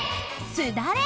すだれ！